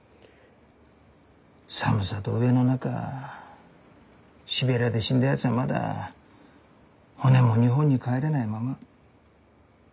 寒さと飢えの中シベリアで死んだやつはまだ骨も日本に帰れないまま。